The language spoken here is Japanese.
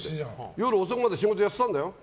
夜遅くまで仕事やっていたんだよ。